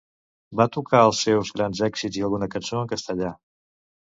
Va tocar els seus grans èxits i alguna cançó en castellà.